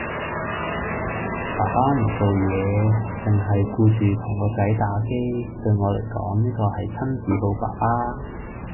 爸爸唔做嘢凈系顧住同個仔打機，對我嚟講呢個係親子好爸爸